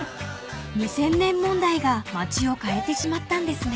［２０００年問題が町を変えてしまったんですね］